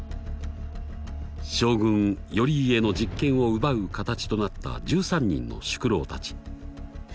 将軍頼家の実権を奪う形となった１３人の宿老たち。